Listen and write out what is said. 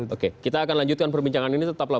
oke kita akan lanjutkan perbincangan ini tetaplah